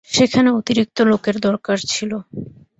সেখানে অতিরিক্ত লোকের দরকার ছিল।